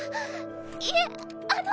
いえあの。